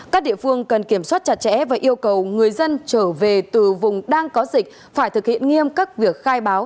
các địa phương cần kiểm soát chặt chẽ và yêu cầu người dân trở về từ vùng đang có dịch phải thực hiện nghiêm các việc khai báo